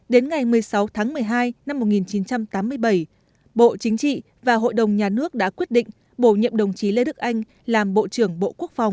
đến ngày một mươi sáu tháng một mươi hai năm một nghìn chín trăm tám mươi bảy bộ chính trị và hội đồng nhà nước đã quyết định bổ nhiệm đồng chí lê đức anh làm bộ trưởng bộ quốc phòng